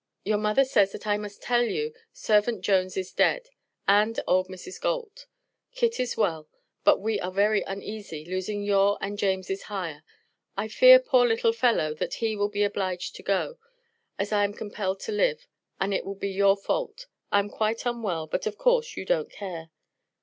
Your mother says that I must tell you servant Jones is dead and old Mrs. Galt. Kit is well, but we are very uneasy, losing your and James' hire, I fear poor little fellow, that he will be obliged to go, as I am compelled to live, and it will be your fault. I am quite unwell, but of course, you don't care.